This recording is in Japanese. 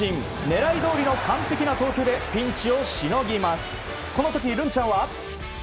狙いどおりの完璧な投球でピンチをしのぎます。